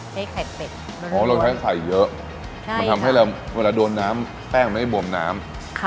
ใช้ไข่เป็ดอ๋อเราใช้ไข่เยอะมันทำให้เราเวลาโดนน้ำแป้งไม่บวมน้ำ